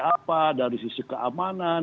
apa dari sisi keamanan